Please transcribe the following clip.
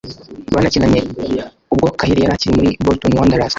banakinanye ubwo Cahill yari akiri muri Bolton Wanderers